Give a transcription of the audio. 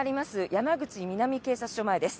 山口南警察署前です。